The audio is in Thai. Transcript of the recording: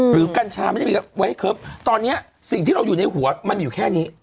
กัญชาไม่ได้มีไว้ครบตอนนี้สิ่งที่เราอยู่ในหัวมันอยู่แค่นี้